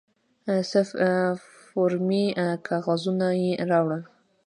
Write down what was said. څه فورمې کاغذونه یې راوړل.